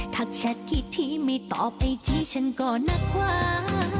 ถ้าแชทคิดที่ไม่ตอบไอจีฉันก็นักว่า